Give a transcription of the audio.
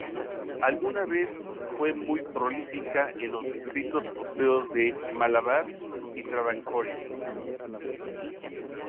Alguna vez fue muy prolífica en los distritos costeros de Malabar y Travancore.